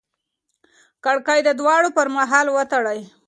کړکۍ د دوړو پر مهال وتړئ.